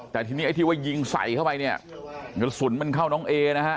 แต่ทีนี้ไอ้ที่ว่ายิงใส่เข้าไปเนี่ยกระสุนมันเข้าน้องเอนะฮะ